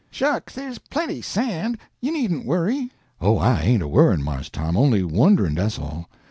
"Shucks, there's plenty sand, you needn't worry." "Oh, I ain't a worryin', Mars Tom, only wonderin', dat's all.